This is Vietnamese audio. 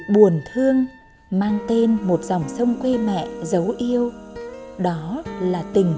âu lâu mang vác một danh phận rằng rạc đời sông